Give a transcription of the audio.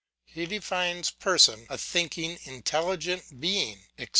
For he defines Person, a thinking intelligent being, &c.